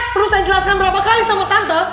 perlu saya jelaskan berapa kali sama tante